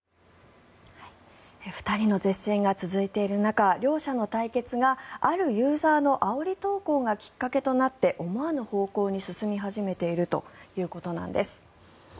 ２人の舌戦が続いている中両者の対決があるユーザーのあおり投稿がきっかけとなって思わぬ方向に進み始めているということなんです。